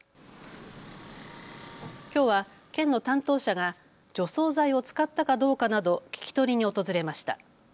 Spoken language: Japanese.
きょうは県の担当者が除草剤を使ったかどうかなど聞き取りに訪れました。